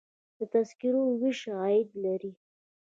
د تذکرو ویش عاید لري